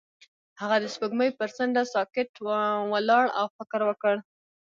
هغه د سپوږمۍ پر څنډه ساکت ولاړ او فکر وکړ.